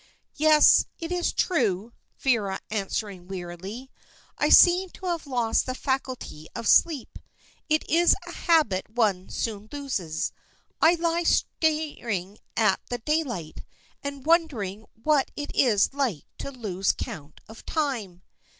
"Yes, it is true," Vera answered wearily. "I seem to have lost the faculty of sleep. It is a habit one soon loses. I lie staring at the daylight, and wondering what it is like to lose count of time."